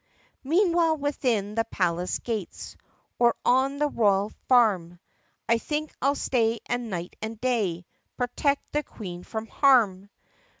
"Meanwhile within the palace gates Or on the royal farm I think I 'll stay and night and day Protect the Queen from harm!"